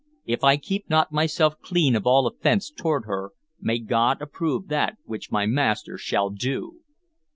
If I keep not myself clean of all offense toward her, may God approve that which my master shall do!'"